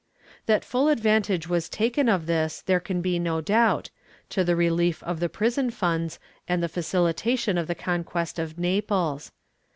^ That full advantage was taken of this there can be no doubt, to the relief of the prison funds and the facilitation of the conquest of Naples.